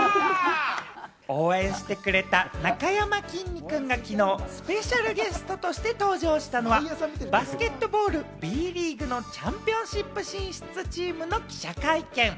応援してくれた、なかやまきんに君が昨日スペシャルゲストとして登場したのは、バスケットボール・Ｂリーグのチャンピオンシップ進出チームの記者会見。